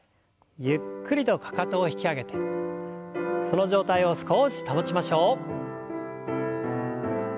ゆっくりとかかとを引き上げてその状態を少し保ちましょう。